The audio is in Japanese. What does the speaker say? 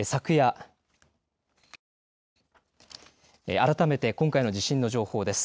改めて今回の地震の情報です。